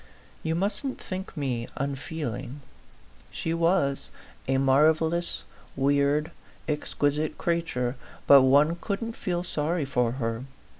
You mustn't think me un feeling. She was a marvellous, weird, exqui site creature, but one couldn't feel sorry for her.